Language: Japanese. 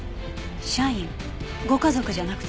社員？ご家族じゃなくて？